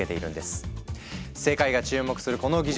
世界が注目するこの技術